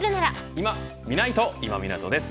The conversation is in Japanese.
いまみないと、今湊です。